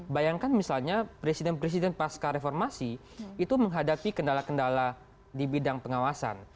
bayangkan misalnya presiden presiden pasca reformasi itu menghadapi kendala kendala di bidang pengawasan